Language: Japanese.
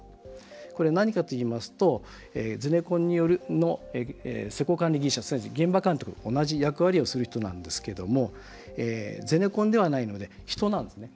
これ何かといいますとゼネコンによる施工管理技術者すなわち現場監督と同じ役割をする人なんですけどもゼネコンではないので人なんですね。